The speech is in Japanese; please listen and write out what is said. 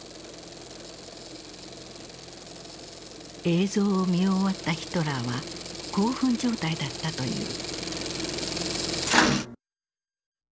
映像を見終わったヒトラーは興奮状態だったという。